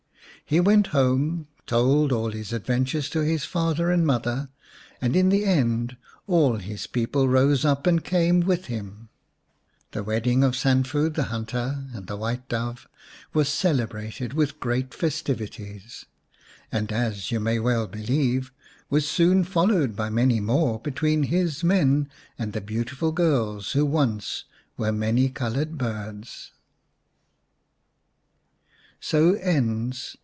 He went home, told all his 249 The White Dove xx adventures to his father and mother, and in the end all his people rose up and came with him. The wedding of Sanfu the hunter and the White Dove was celebrated with great festivi ties, and, as you may well believe, was soon followed by many more between his men and the beautiful girls who once were many coloured birds.